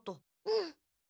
うん。